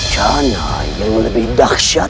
dan raya yang lebih dahsyat